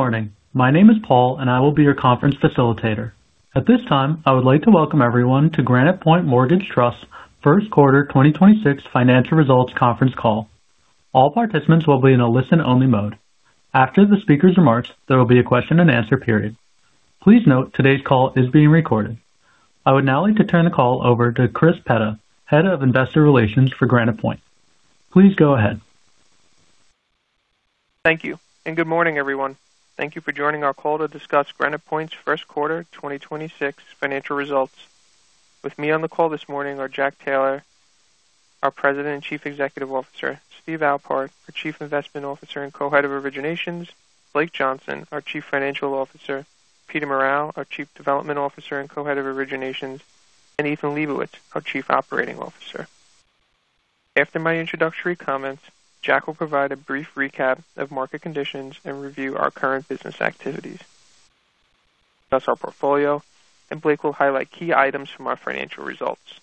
Good morning. My name is Paul, and I will be your conference facilitator. At this time, I would like to welcome everyone to Granite Point Mortgage Trust first quarter 2026 financial results conference call. All participants will be in a listen-only mode. After the speaker's remarks, there will be a question-and-answer period. Please note today's call is being recorded. I would now like to turn the call over to Chris Petta, Head of Investor Relations for Granite Point. Please go ahead. Thank you, good morning, everyone. Thank you for joining our call to discuss Granite Point's first quarter 2026 financial results. With me on the call this morning are Jack Taylor, our President and Chief Executive Officer, Steve Alpart, our Chief Investment Officer and Co-Head of Originations, Blake Johnson, our Chief Financial Officer, Peter Morral, our Chief Development Officer and Co-Head of Originations, and Ethan Lebowitz, our Chief Operating Officer. After my introductory comments, Jack will provide a brief recap of market conditions and review our current business activities. That's our portfolio, and Blake will highlight key items from our financial results.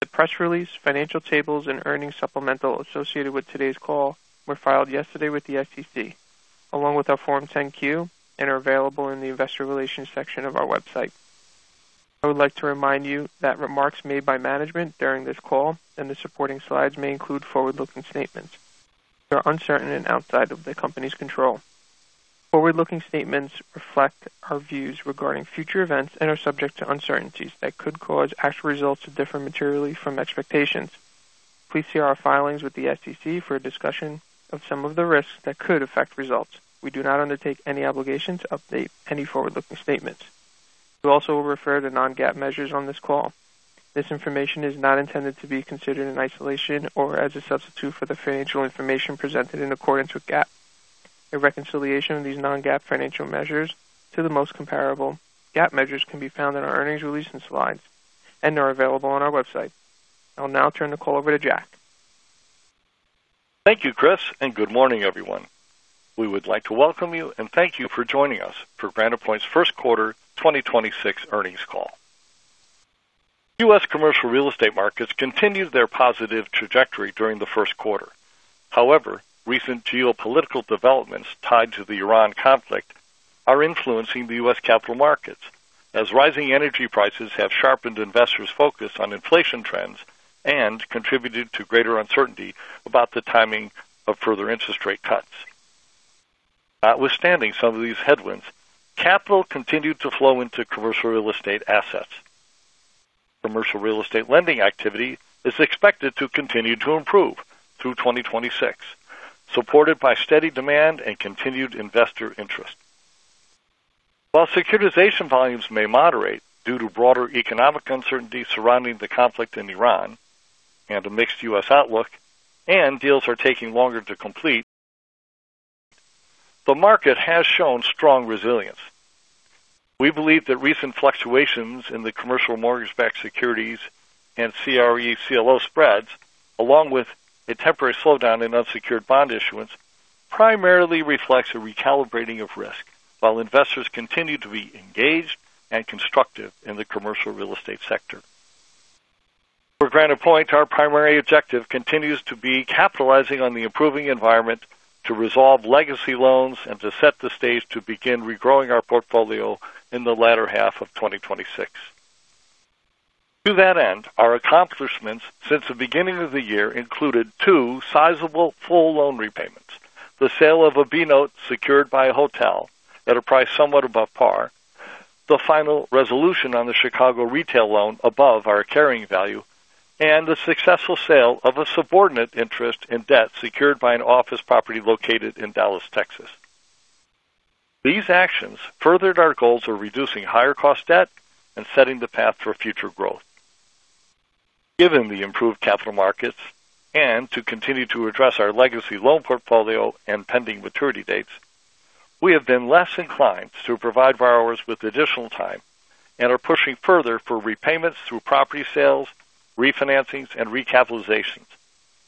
The press release, financial tables, and earnings supplemental associated with today's call were filed yesterday with the SEC, along with our Form 10-Q and are available in the investor relations section of our website. I would like to remind you that remarks made by management during this call and the supporting slides may include forward-looking statements. They are uncertain and outside of the company's control. Forward-looking statements reflect our views regarding future events and are subject to uncertainties that could cause actual results to differ materially from expectations. Please see our filings with the SEC for a discussion of some of the risks that could affect results. We do not undertake any obligation to update any forward-looking statements. We also will refer to non-GAAP measures on this call. This information is not intended to be considered in isolation or as a substitute for the financial information presented in accordance with GAAP. A reconciliation of these non-GAAP financial measures to the most comparable GAAP measures can be found in our earnings release and slides and are available on our website. I will now turn the call over to Jack. Thank you, Chris, and good morning, everyone. We would like to welcome you and thank you for joining us for Granite Point's first quarter 2026 earnings call. U.S. commercial real estate markets continued their positive trajectory during the first quarter. However, recent geopolitical developments tied to the Iran conflict are influencing the U.S. capital markets, as rising energy prices have sharpened investors' focus on inflation trends and contributed to greater uncertainty about the timing of further interest rate cuts. Notwithstanding some of these headwinds, capital continued to flow into commercial real estate assets. Commercial real estate lending activity is expected to continue to improve through 2026, supported by steady demand and continued investor interest. While securitization volumes may moderate due to broader economic uncertainty surrounding the conflict in Iran and a mixed U.S. outlook and deals are taking longer to complete, the market has shown strong resilience. We believe that recent fluctuations in the commercial mortgage-backed securities and CRE CLO spreads, along with a temporary slowdown in unsecured bond issuance, primarily reflects a recalibrating of risk while investors continue to be engaged and constructive in the commercial real estate sector. For Granite Point, our primary objective continues to be capitalizing on the improving environment to resolve legacy loans and to set the stage to begin regrowing our portfolio in the latter half of 2026. To that end, our accomplishments since the beginning of the year included two sizable full loan repayments, the sale of a B-note secured by a hotel at a price somewhat above par, the final resolution on the Chicago retail loan above our carrying value, and the successful sale of a subordinate interest in debt secured by an office property located in Dallas, Texas. These actions furthered our goals of reducing higher cost debt and setting the path for future growth. Given the improved capital markets and to continue to address our legacy loan portfolio and pending maturity dates, we have been less inclined to provide borrowers with additional time and are pushing further for repayments through property sales, refinancings, and recapitalizations.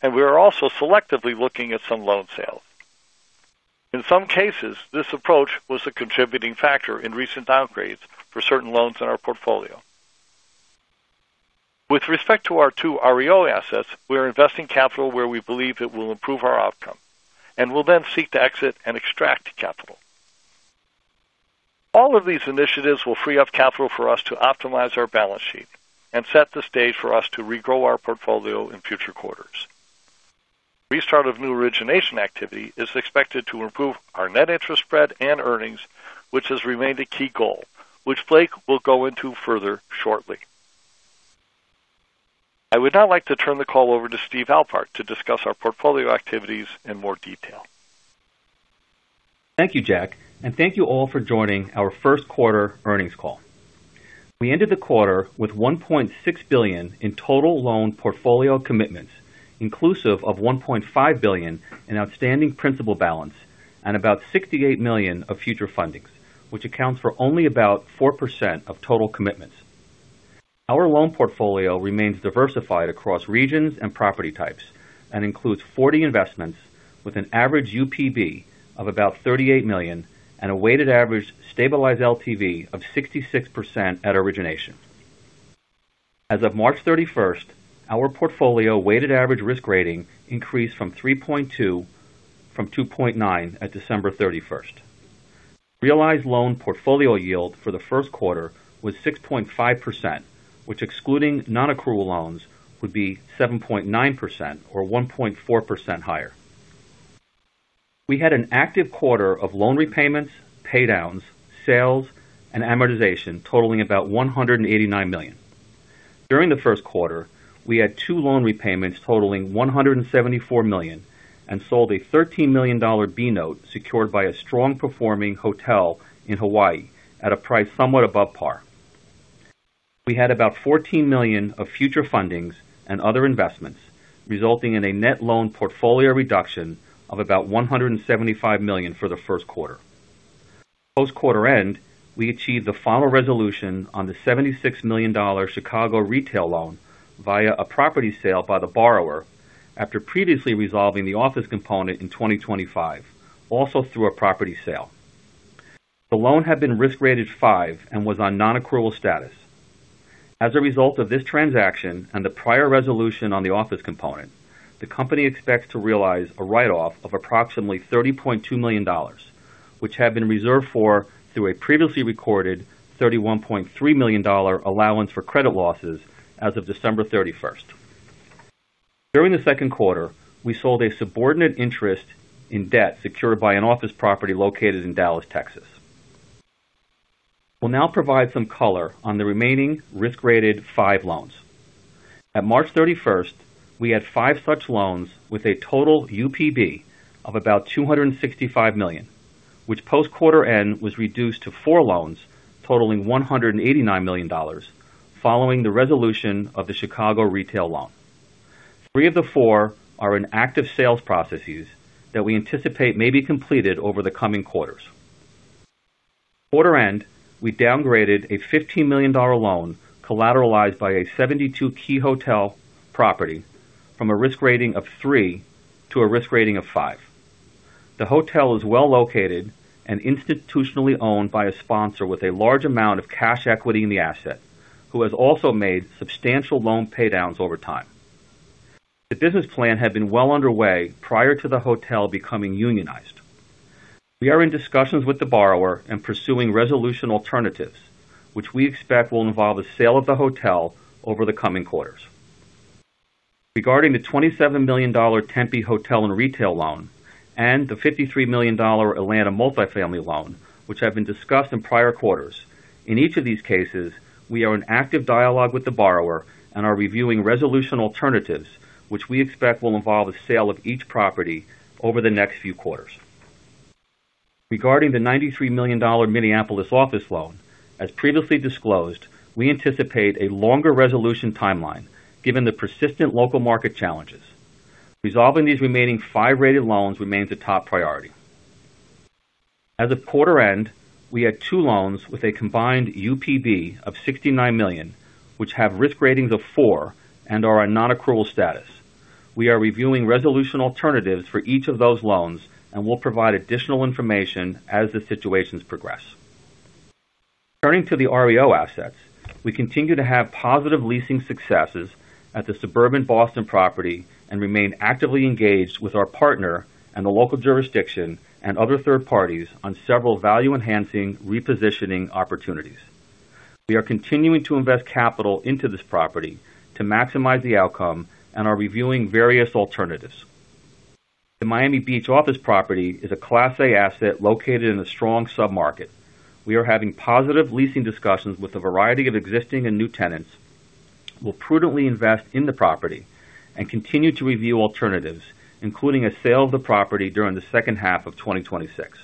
We are also selectively looking at some loan sales. In some cases, this approach was a contributing factor in recent downgrades for certain loans in our portfolio. With respect to our two REO assets, we are investing capital where we believe it will improve our outcome and will then seek to exit and extract capital. All of these initiatives will free up capital for us to optimize our balance sheet and set the stage for us to regrow our portfolio in future quarters. Restart of new origination activity is expected to improve our net interest spread and earnings, which has remained a key goal, which Blake will go into further shortly. I would now like to turn the call over to Steve Alpart to discuss our portfolio activities in more detail. Thank you, Jack, and thank you all for joining our first quarter earnings call. We ended the quarter with $1.6 billion in total loan portfolio commitments, inclusive of $1.5 billion in outstanding principal balance and about $68 million of future fundings, which accounts for only about 4% of total commitments. Our loan portfolio remains diversified across regions and property types and includes 40 investments with an average UPB of about $38 million and a weighted average stabilized LTV of 66% at origination. As of March 31st, our portfolio weighted average risk rating increased from 3.2 from 2.9 at December 31st. Realized loan portfolio yield for the first quarter was 6.5%, which excluding non-accrual loans would be 7.9% or 1.4% higher. We had an active quarter of loan repayments, pay downs, sales and amortization totaling about $189 million. During the first quarter, we had two loan repayments totaling $174 million and sold a $13 million B-note secured by a strong performing hotel in Hawaii at a price somewhat above par. We had about $14 million of future fundings and other investments, resulting in a net loan portfolio reduction of about $175 million for the first quarter. Post quarter end, we achieved the final resolution on the $76 million Chicago retail loan via a property sale by the borrower after previously resolving the office component in 2025, also through a property sale. The loan had been risk-rated 5 and was on non-accrual status. As a result of this transaction and the prior resolution on the office component, the company expects to realize a write-off of approximately $30.2 million, which had been reserved for through a previously recorded $31.3 million allowance for credit losses as of December 31st. During the second quarter, we sold a subordinate interest in debt secured by an office property located in Dallas, Texas. We'll now provide some color on the remaining risk-rated 5 loans. At March 31st, we had 5 such loans with a total UPB of about $265 million, which post quarter end was reduced to four loans totaling $189 million following the resolution of the Chicago retail loan. Three of the four are in active sales processes that we anticipate may be completed over the coming quarters. Quarter end, we downgraded a $15 million loan collateralized by a 72-key hotel property from a risk rating of 3 to a risk rating of 5. The hotel is well located and institutionally owned by a sponsor with a large amount of cash equity in the asset, who has also made substantial loan pay downs over time. The business plan had been well underway prior to the hotel becoming unionized. We are in discussions with the borrower and pursuing resolution alternatives, which we expect will involve a sale of the hotel over the coming quarters. Regarding the $27 million Tempe hotel and retail loan and the $53 million Atlanta multifamily loan, which have been discussed in prior quarters. In each of these cases, we are in active dialogue with the borrower and are reviewing resolution alternatives, which we expect will involve a sale of each property over the next few quarters. Regarding the $93 million Minneapolis office loan, as previously disclosed, we anticipate a longer resolution timeline given the persistent local market challenges. Resolving these remaining five rated loans remains a top priority. As of quarter end, we had two loans with a combined UPB of $69 million, which have risk ratings of 4 and are on non-accrual status. We are reviewing resolution alternatives for each of those loans and will provide additional information as the situations progress. Turning to the REO assets, we continue to have positive leasing successes at the suburban Boston property and remain actively engaged with our partner and the local jurisdiction and other third parties on several value-enhancing repositioning opportunities. We are continuing to invest capital into this property to maximize the outcome and are reviewing various alternatives. The Miami Beach office property is a Class A asset located in a strong submarket. We are having positive leasing discussions with a variety of existing and new tenants. We'll prudently invest in the property and continue to review alternatives, including a sale of the property during the second half of 2026.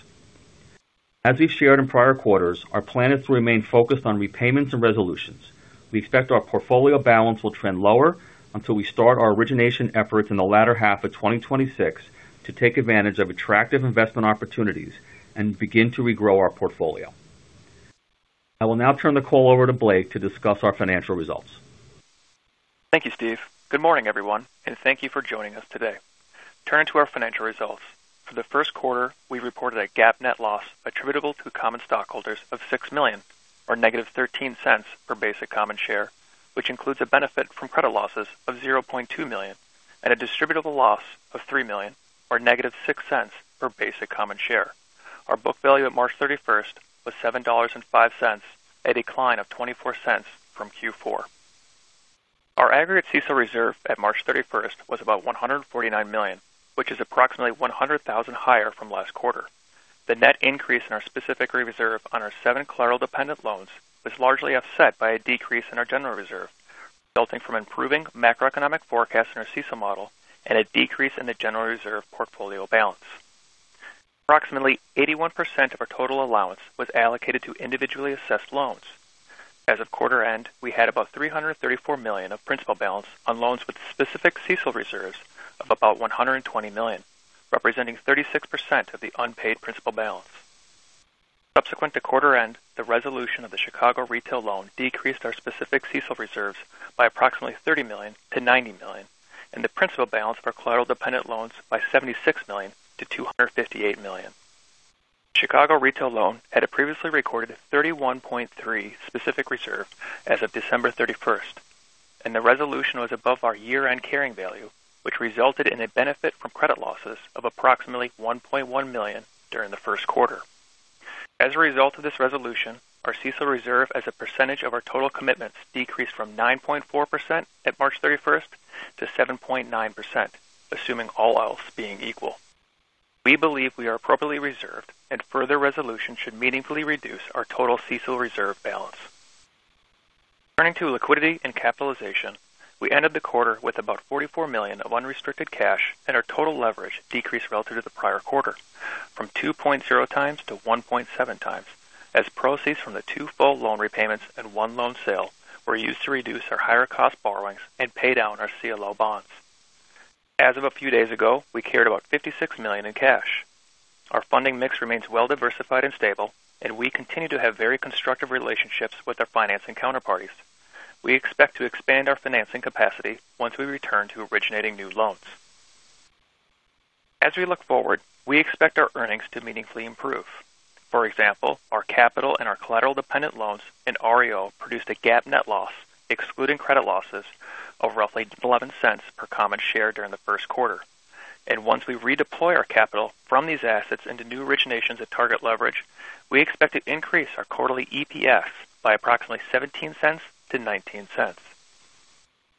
As we've shared in prior quarters, our plan is to remain focused on repayments and resolutions. We expect our portfolio balance will trend lower until we start our origination efforts in the latter half of 2026 to take advantage of attractive investment opportunities and begin to regrow our portfolio. I will now turn the call over to Blake to discuss our financial results. Thank you, Steve. Good morning, everyone, and thank you for joining us today. Turning to our financial results. For the first quarter, we reported a GAAP net loss attributable to the common stockholders of $6 million, or -$0.13 per basic common share, which includes a benefit from credit losses of $0.2 million and a distributable loss of $3 million, or -$0.06 per basic common share. Our book value at March 31st was $7.05, a decline of $0.24 from Q4. Our aggregate CECL reserve at March 31st was about $149 million, which is approximately $100,000 higher from last quarter. The net increase in our specific reserve on our seven collateral-dependent loans was largely offset by a decrease in our general reserve, resulting from improving macroeconomic forecasts in our CECL model and a decrease in the general reserve portfolio balance. Approximately 81% of our total allowance was allocated to individually assessed loans. As of quarter end, we had about $334 million of principal balance on loans with specific CECL reserves of about $120 million, representing 36% of the unpaid principal balance. Subsequent to quarter end, the resolution of the Chicago retail loan decreased our specific CECL reserves by approximately $30 million-$90 million, and the principal balance of our collateral-dependent loans by $76 million-$258 million. Chicago retail loan had a previously recorded 31.3 specific reserve as of December 31st, and the resolution was above our year-end carrying value, which resulted in a benefit from credit losses of approximately $1.1 million during the first quarter. As a result of this resolution, our CECL reserve as a percentage of our total commitments decreased from 9.4% at March 31st to 7.9%, assuming all else being equal. We believe we are appropriately reserved and further resolution should meaningfully reduce our total CECL reserve balance. Turning to liquidity and capitalization, we ended the quarter with about $44 million of unrestricted cash, and our total leverage decreased relative to the prior quarter from 2.0x-1.7x as proceeds from the two full loan repayments and one loan sale were used to reduce our higher cost borrowings and pay down our CLO bonds. As of a few days ago, we carried about $56 million in cash. Our funding mix remains well diversified and stable, and we continue to have very constructive relationships with our financing counterparties. We expect to expand our financing capacity once we return to originating new loans. As we look forward, we expect our earnings to meaningfully improve. For example, our capital and our collateral-dependent loans and REO produced a GAAP net loss, excluding credit losses of roughly $0.11 per common share during the first quarter. Once we redeploy our capital from these assets into new originations at target leverage, we expect to increase our quarterly EPS by approximately $0.17-$0.19.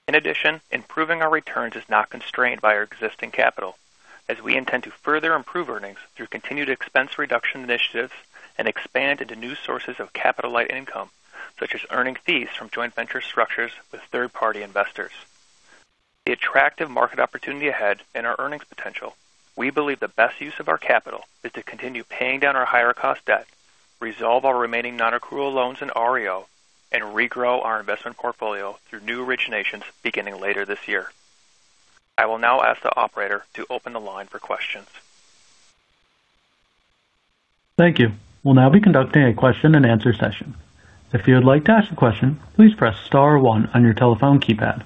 In addition, improving our returns is not constrained by our existing capital, as we intend to further improve earnings through continued expense reduction initiatives and expand into new sources of capital-light income, such as earning fees from joint venture structures with third-party investors. The attractive market opportunity ahead and our earnings potential, we believe the best use of our capital is to continue paying down our higher cost debt, resolve our remaining non-accrual loans in REO, and regrow our investment portfolio through new originations beginning later this year. I will now ask the operator to open the line for questions. Thank you. We'll now be conducting a question and answer session. If you would like to ask a question, please press star one on your telephone keypad.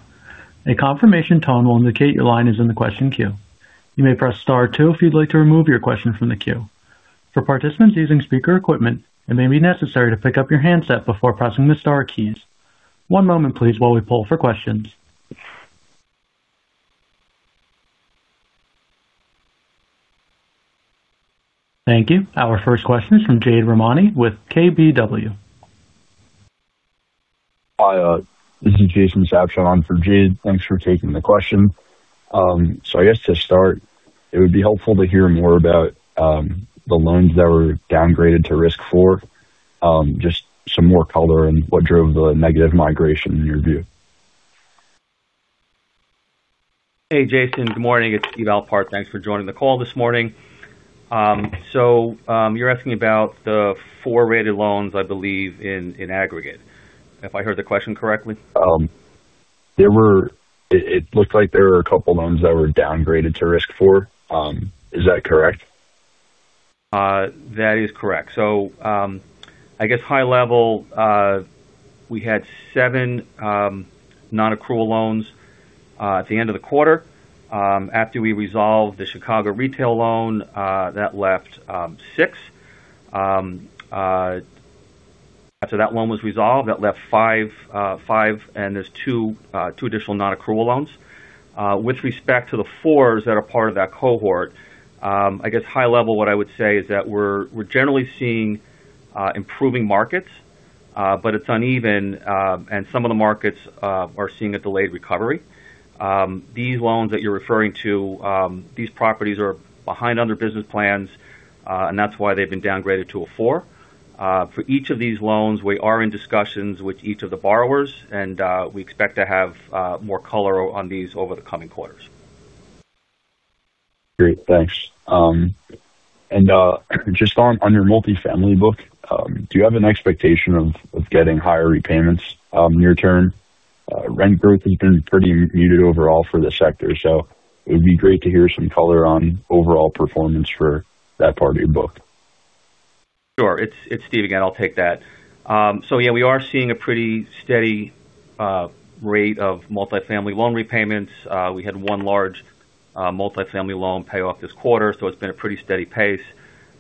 A confirmation tone will indicate your line is in the question queue. You may press star two if you'd like to remove your question from the queue. For participants using speaker equipment, it may be necessary to pick up your handset before pressing the star keys. One moment please while we poll for questions. Thank you. Our first question is from Jade Rahmani with KBW. Hi, this is Jason Sabshon on for Jade. Thanks for taking the question. I guess to start, it would be helpful to hear more about the loans that were downgraded to risk 4, just some more color and what drove the negative migration in your view. Hey, Jason. Good morning. It's Steve Alpart. Thanks for joining the call this morning. You're asking about the 4 rated loans, I believe, in aggregate, if I heard the question correctly. It looks like there were a couple loans that were downgraded to risk 4, is that correct? That is correct. I guess high level, we had 7 non-accrual loans at the end of the quarter. After we resolved the Chicago retail loan, that left 6. After that loan was resolved, that left 5, and there's 2 additional non-accrual loans. With respect to the 4s that are part of that cohort, I guess high level, what I would say is that we're generally seeing improving markets, but it's uneven, and some of the markets are seeing a delayed recovery. These loans that you're referring to, these properties are behind on their business plans, and that's why they've been downgraded to a 4. For each of these loans, we are in discussions with each of the borrowers, and we expect to have more color on these over the coming quarters. Great. Thanks. Just on your multifamily book, do you have an expectation of getting higher repayments near-term? Rent growth has been pretty muted overall for the sector, so it would be great to hear some color on overall performance for that part of your book. Sure. It's Steve again. I'll take that. Yeah, we are seeing a pretty steady rate of multifamily loan repayments. We had one large multifamily loan pay off this quarter, so it's been a pretty steady pace.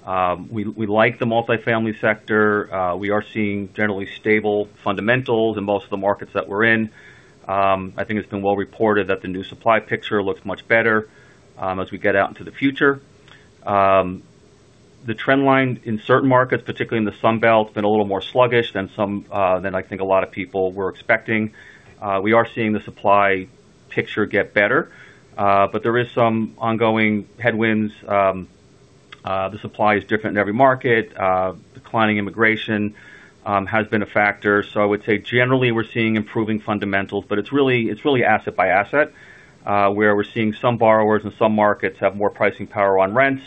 We like the multifamily sector. We are seeing generally stable fundamentals in most of the markets that we're in. I think it's been well reported that the new supply picture looks much better as we get out into the future. The trend line in certain markets, particularly in the Sun Belt, has been a little more sluggish than some than I think a lot of people were expecting. We are seeing the supply picture get better, but there is some ongoing headwinds. The supply is different in every market. Declining immigration has been a factor. I would say generally we're seeing improving fundamentals, but it's really asset by asset, where we're seeing some borrowers in some markets have more pricing power on rents.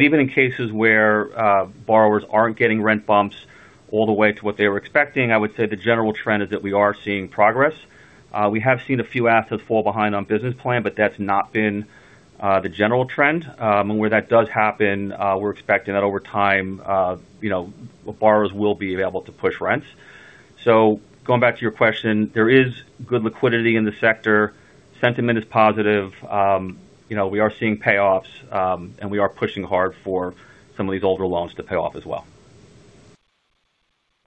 Even in cases where borrowers aren't getting rent bumps all the way to what they were expecting, I would say the general trend is that we are seeing progress. We have seen a few assets fall behind on business plan, but that's not been the general trend. Where that does happen, we're expecting that over time, you know, borrowers will be available to push rents. Going back to your question, there is good liquidity in the sector. Sentiment is positive. You know, we are seeing payoffs, and we are pushing hard for some of these older loans to pay off as well.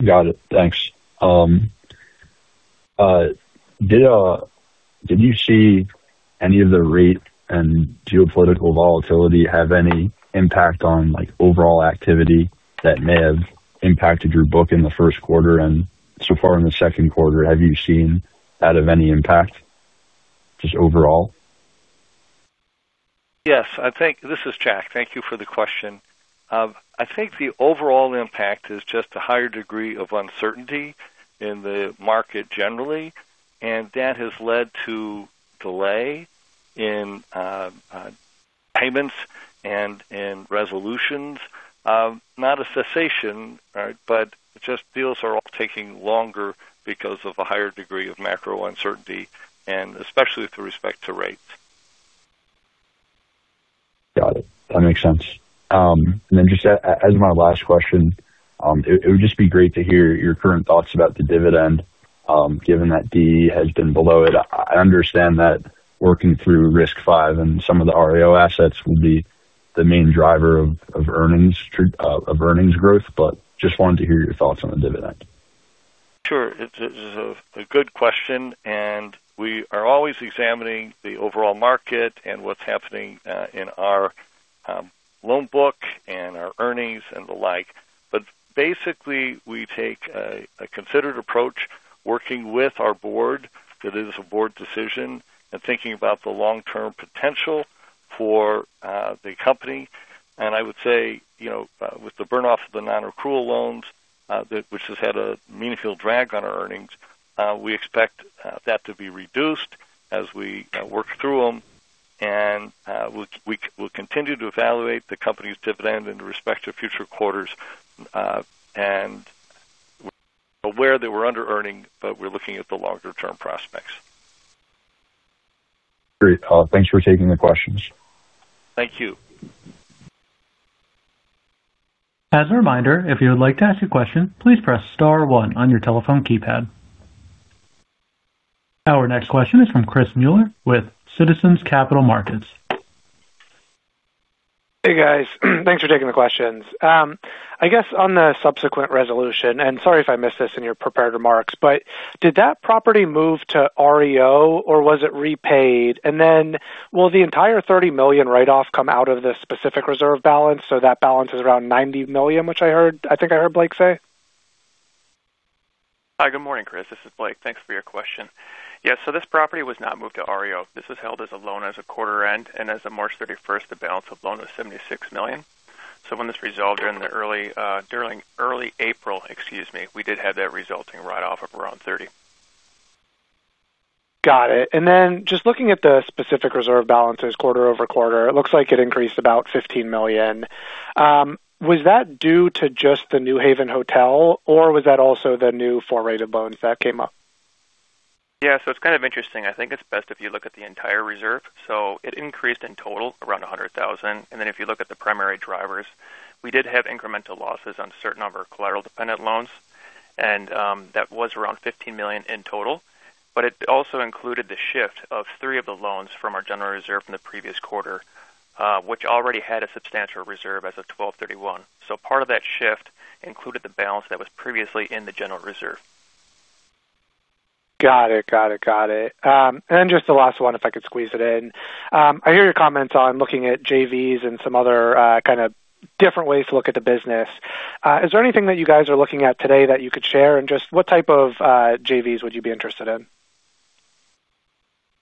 Got it. Thanks. Did you see any of the rate and geopolitical volatility have any impact on, like, overall activity that may have impacted your book in the first quarter and so far in the second quarter? Have you seen any impact just overall? Yes. This is Jack. Thank you for the question. I think the overall impact is just a higher degree of uncertainty in the market generally, and that has led to delay in payments and in resolutions. Not a cessation, right, but just deals are all taking longer because of a higher degree of macro uncertainty and especially with respect to rates. Got it. That makes sense. Just as my last question, it would just be great to hear your current thoughts about the dividend, given that DE has been below it. I understand that working through risk 5 and some of the REO assets will be the main driver of earnings growth, but just wanted to hear your thoughts on the dividend. Sure. It's a good question. We are always examining the overall market and what's happening in our loan book and our earnings and the like. Basically, we take a considered approach working with our board. That is a board decision and thinking about the long-term potential for the company. I would say, you know, with the burn-off of the non-accrual loans, which has had a meaningful drag on our earnings, we expect that to be reduced as we work through them. We'll continue to evaluate the company's dividend in respect to future quarters, and we're aware that we're under-earning, but we're looking at the longer-term prospects. Great. Thanks for taking the questions. Thank you. As a reminder, if you would like to ask a question, please press star one on your telephone keypad. Our next question is from Chris Muller with Citizens Capital Markets. Hey, guys. Thanks for taking the questions. I guess on the subsequent resolution, sorry if I missed this in your prepared remarks, but did that property move to REO or was it repaid? And then will the entire $30 million write-off come out of the specific reserve balance? That balance is around $90 million, which I think I heard Blake say. Hi. Good morning, Chris. This is Blake. Thanks for your question. Yeah. This property was not moved to REO. This is held as a loan as a quarter end. As of March 31st, the balance of loan was $76 million. When this resolved during early April, excuse me, we did have that resulting write-off of around $30 million. Got it. Just looking at the specific reserve balances quarter-over-quarter, it looks like it increased about $15 million. Was that due to just the New Haven hotel or was that also the new 4-rated loans that came up? Yeah. It's kind of interesting. I think it's best if you look at the entire reserve. It increased in total around $100,000. If you look at the primary drivers, we did have incremental losses on a certain number of collateral-dependent loans, and that was around $15 million in total. It also included the shift of 3 of the loans from our general reserve from the previous quarter, which already had a substantial reserve as of 12/31. Part of that shift included the balance that was previously in the general reserve. Got it. Just the last one, if I could squeeze it in. I hear your comments on looking at JVs and some other kind of different ways to look at the business. Is there anything that you guys are looking at today that you could share? Just what type of JVs would you be interested in?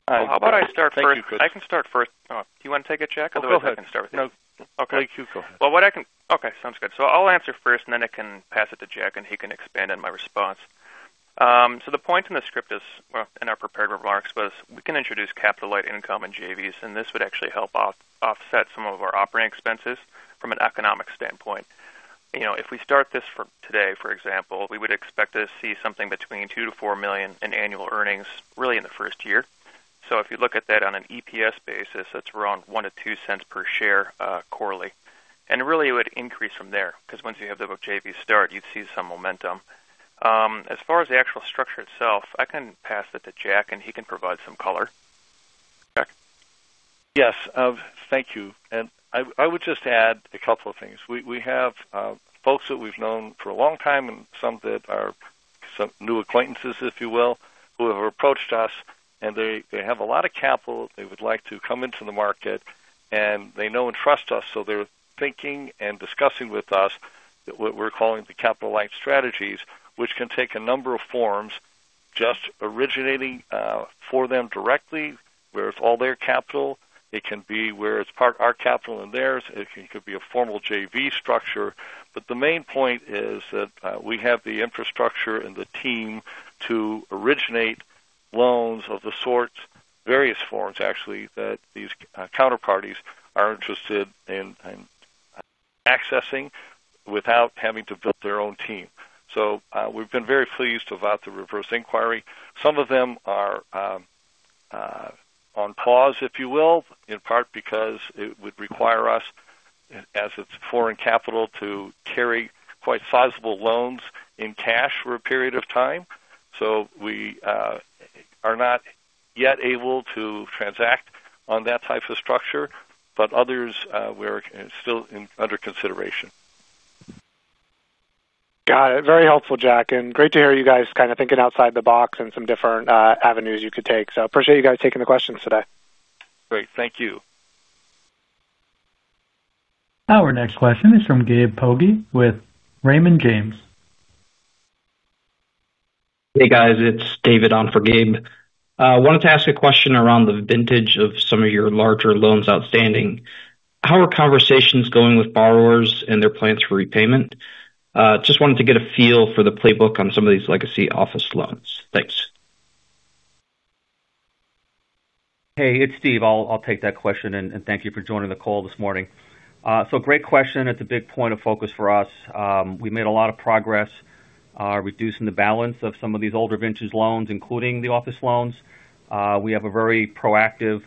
Well, how about I start first? I can start first. Oh, do you want to take it, Jack? Otherwise, I can start with you. No. Okay. No, you go ahead. Well, sounds good. I'll answer first, and then I can pass it to Jack, and he can expand on my response. The point in the script is, well, in our prepared remarks was we can introduce capital-light income and JVs, and this would actually help offset some of our operating expenses from an economic standpoint. You know, if we start this for today, for example, we would expect to see something between $2 million-$4 million in annual earnings really in the first year. If you look at that on an EPS basis, that's around $0.01-$0.02 per share quarterly. Really it would increase from there because once you have the JV start, you'd see some momentum. As far as the actual structure itself, I can pass it to Jack, and he can provide some color. Jack. Yes. Thank you. I would just add a couple of things. We have folks that we've known for a long time and some that are some new acquaintances, if you will, who have approached us, and they have a lot of capital. They would like to come into the market, and they know and trust us, so they're thinking and discussing with us what we're calling the capital-light strategies, which can take a number of forms, just originating for them directly, where it's all their capital. It can be where it's part our capital and theirs. It could be a formal JV structure. The main point is that we have the infrastructure and the team to originate loans of the sorts, various forms actually, that these counterparties are interested in accessing without having to build their own team. We've been very pleased about the reverse inquiry. Some of them are on pause, if you will, in part because it would require us, as it's foreign capital, to carry quite sizable loans in cash for a period of time. We are not yet able to transact on that type of structure. Others, we're still under consideration. Got it. Very helpful, Jack, and great to hear you guys kind of thinking outside the box and some different avenues you could take. Appreciate you guys taking the questions today. Great. Thank you. Our next question is from Gabe Poggi with Raymond James. Hey, guys. It's [David] on for Gabe. Wanted to ask a question around the vintage of some of your larger loans outstanding. How are conversations going with borrowers and their plans for repayment? Just wanted to get a feel for the playbook on some of these legacy office loans. Thanks. Hey, it's Steve. I'll take that question and thank you for joining the call this morning. Great question. It's a big point of focus for us. We made a lot of progress reducing the balance of some of these older vintage loans, including the office loans. We have a very proactive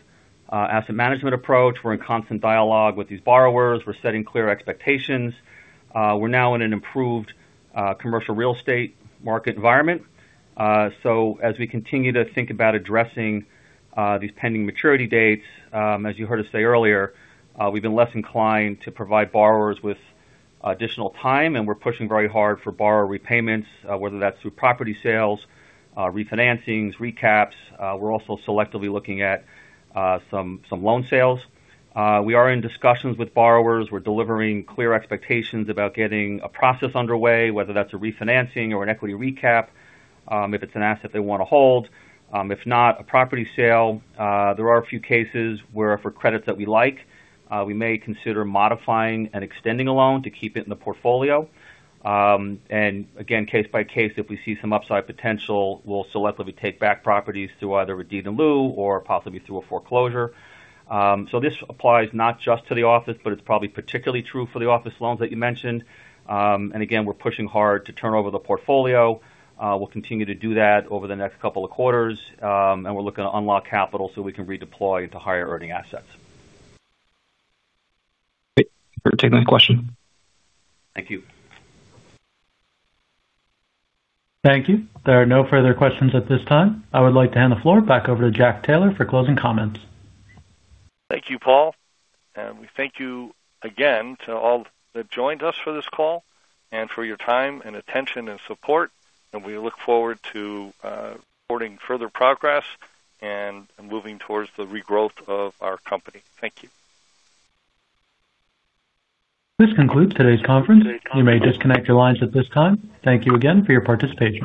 asset management approach. We're in constant dialogue with these borrowers. We're setting clear expectations. We're now in an improved commercial real estate market environment. As we continue to think about addressing these pending maturity dates, as you heard us say earlier, we've been less inclined to provide borrowers with additional time. We're pushing very hard for borrower repayments, whether that's through property sales, refinancings, recaps. We're also selectively looking at some loan sales. We are in discussions with borrowers. We're delivering clear expectations about getting a process underway, whether that's a refinancing or an equity recap, if it's an asset they wanna hold. If not, a property sale. There are a few cases where for credits that we like, we may consider modifying and extending a loan to keep it in the portfolio. And again, case by case, if we see some upside potential, we'll selectively take back properties through either deed in lieu or possibly through a foreclosure. This applies not just to the office, but it's probably particularly true for the office loans that you mentioned. Again, we're pushing hard to turn over the portfolio. We'll continue to do that over the next couple of quarters. We're looking to unlock capital so we can redeploy to higher earning assets. Great. Thanks for taking the question. Thank you. Thank you. There are no further questions at this time. I would like to hand the floor back over to Jack Taylor for closing comments. Thank you, Paul. We thank you again to all that joined us for this call and for your time and attention and support, and we look forward to reporting further progress and moving towards the regrowth of our company. Thank you. This concludes today's conference. You may disconnect your lines at this time. Thank you again for your participation.